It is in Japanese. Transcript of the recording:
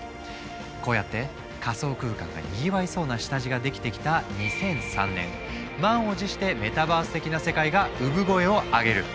こうやって仮想空間がにぎわいそうな下地ができてきた２００３年満を持してメタバース的な世界が産声を上げる。